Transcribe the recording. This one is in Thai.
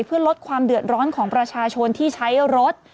เพื่อลดความเดือดร้อนของประชาชนที่ใช้รถ